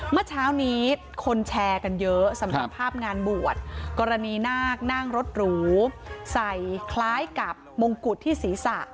เมื่อเช้านี้คนแชร์กันเยอะสำหรับภาพงานบวชกรณีนาคนั่งรถหรูใส่คล้ายกับมงกุฎที่ศีรษะ